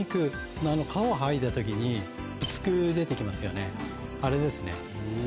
皮を剥いでる時に薄く出て来ますよねあれですね。